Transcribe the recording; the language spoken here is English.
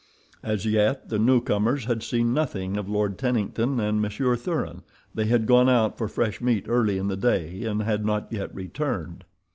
As yet the newcomers had seen nothing of Lord Tennington and Monsieur Thuran. They had gone out for fresh meat early in the day, and had not yet returned.